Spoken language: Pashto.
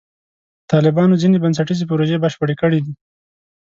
طالبانو ځینې بنسټیزې پروژې بشپړې کړې دي.